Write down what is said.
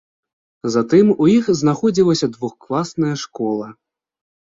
Затым у іх знаходзілася двухкласная школа.